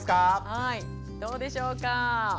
はいどうでしょうか。